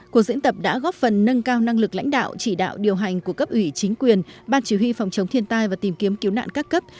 cuộc diễn tập đã góp phần nâng cao năng lực lãnh đạo chỉ đạo điều hành của cấp ủy chính quyền ban chỉ huy phòng chống thiên tai và tìm kiếm cứu nạn các cấp